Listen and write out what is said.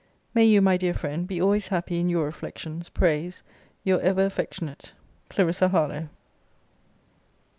May you, my dear friend, be always happy in your reflections, prays Your ever affectionate CL. HARLOWE.